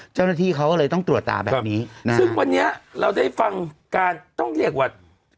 เจ้าหน้าที่เขาก็เลยต้องตรวจตาแบบนี้นะฮะซึ่งวันนี้เราได้ฟังการต้องเรียกว่า